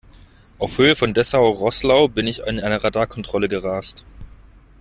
Auf Höhe von Dessau-Roßlau bin ich in eine Radarkontrolle gerast.